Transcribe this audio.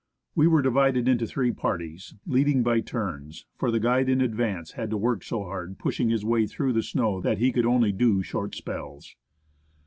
We were divided into three parties, leading by turns, for the guide in advance jiad to 139 THE ASCENT OF MOUNT ST. ELIAS work so hard pushing his way through the snow that he could only do short spells.